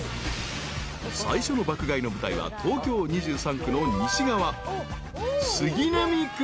［最初の爆買いの舞台は東京２３区の西側］